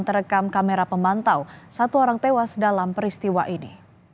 terekam kamera pemantau satu orang tewas dalam peristiwa ini